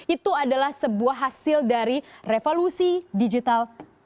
itu adalah sebuah hasil dari revolusi digital